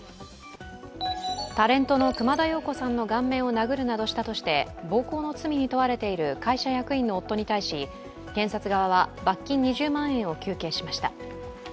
タレントの熊田曜子さんの顔面を殴るなどしたとして暴行の罪に問われている会社役員の夫に対し検察側は罰金２０万円を求刑しました。